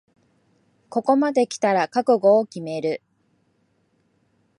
ここまできたら覚悟を決める